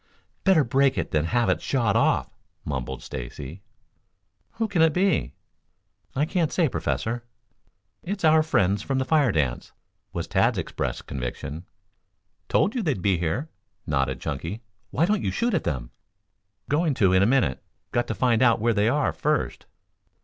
"Better break it than have it shot off," mumbled Stacy. "Who can it be?" "I can't say, Professor." "It's our friends from the fire dance," was Tad's expressed conviction. "Told you they'd be here," nodded Chunky. "Why don't you shoot at them?" "Going to, in a minute. Got to find out where they are first."